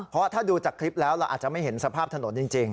เพราะถ้าดูจากคลิปแล้วเราอาจจะไม่เห็นสภาพถนนจริง